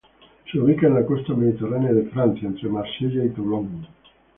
Se ubica en la costa Mediterránea de Francia entre Marseille y Toulon.